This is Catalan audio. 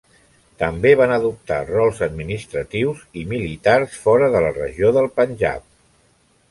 També van adoptar rols administratius i militars fora de la regió del Panjab.